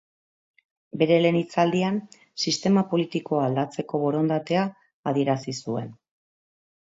Bere lehen hitzaldian sistema politikoa aldatzeko borondatea adierazi zuen.